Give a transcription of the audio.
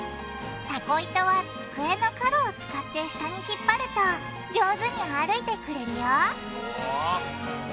タコ糸は机の角を使って下に引っ張ると上手に歩いてくれるようわ。